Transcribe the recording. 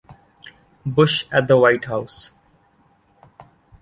Bush at the White House.